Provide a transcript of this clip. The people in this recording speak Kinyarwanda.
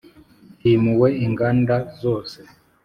himuwe inganda zose